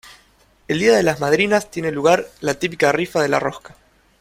El día de las madrinas tiene lugar la típica rifa de la rosca.